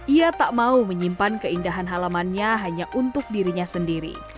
ia tak mau menyimpan keindahan halamannya hanya untuk dirinya sendiri